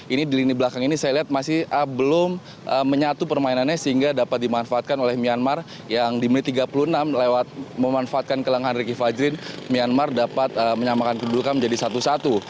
ini di lini belakang ini saya lihat masih belum menyatu permainannya sehingga dapat dimanfaatkan oleh myanmar yang di menit tiga puluh enam lewat memanfaatkan kelangan ricky fajrin myanmar dapat menyamakan kedudukan menjadi satu satu